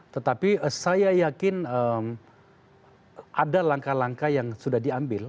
tetapi saya yakin ada langkah langkah yang sudah diambil